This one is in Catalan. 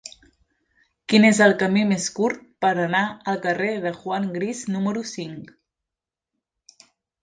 Quin és el camí més curt per anar al carrer de Juan Gris número cinc?